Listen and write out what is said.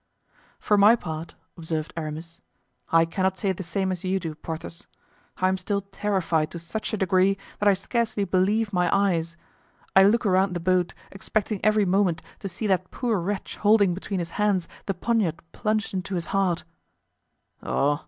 "For my part," observed Aramis, "I cannot say the same as you do, Porthos. I am still terrified to such a degree that I scarcely believe my eyes. I look around the boat, expecting every moment to see that poor wretch holding between his hands the poniard plunged into his heart."